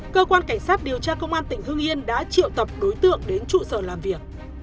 cơ quan cảnh sát điều tra công an tỉnh hương yên đã triệu tập đối tượng đến trụ sở làm việc